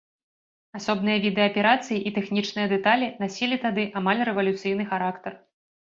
Асобныя віды аперацый і тэхнічныя дэталі насілі тады амаль рэвалюцыйны характар.